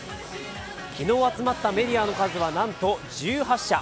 昨日集まったメディアの数は、なんと１８社。